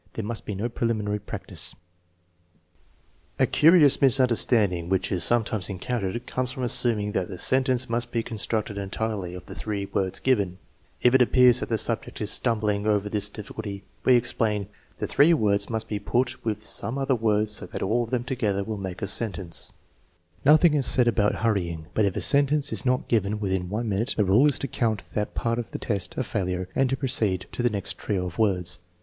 There must be no preliminary practice. 1 See discussion, p. 207 ff. TEST NO. IX, 5 243 A curious misunderstanding which is sometimes encoun tered comes from assuming that the sentence must he con structed entirely of the three words given* If it appears that the subject is stumbling over this difficulty, we ex plain: " The three words must be put with some other words so that all of them together will maJce a sentence" Nothing is said about hurrying, but if a sentence is not given within one minute the rule is to count that part of the test a failure and to proceed to the next trio of words.